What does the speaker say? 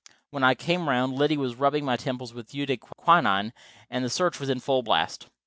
When I came around Liddy was rubbing my temples with eau de quinine, and the search was in full blast.